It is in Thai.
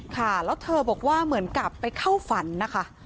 ค่ะแล้วเธอบอกว่าเหมือนกับไปเข้าฝันนะคะ